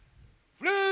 フレー！